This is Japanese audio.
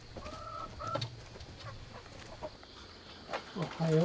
おはよう。